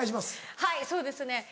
はいそうですね。